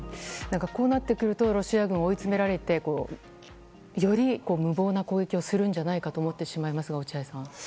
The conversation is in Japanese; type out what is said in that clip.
こうなってくるとロシア軍が追い詰められてより無謀な攻撃をするんじゃないかと思ってしまいますが落合さん。